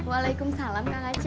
waalaikumsalam kakak ceng